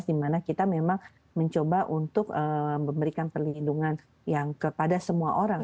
di mana kita memang mencoba untuk memberikan perlindungan kepada semua orang